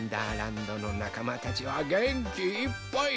どのなかまたちはげんきいっぱい！